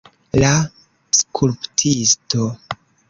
La skulptisto.